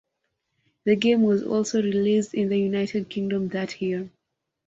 The game was also released in the United Kingdom that year.